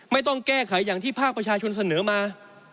ไม่ต้องแก้ไขอย่างที่ภาคประชาชนเสนอมา